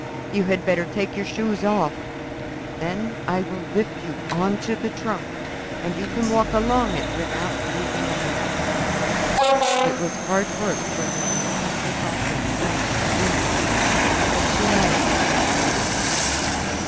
You had better take your shoes off; then I will lift you on to the trunk and you can walk along it without leaving a mark." It was hard work for Nelly to take off her drenched boots, but she managed at last.